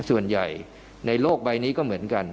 ส่วนใหญ่ในโลกใบนี้ก็เหมือนกัน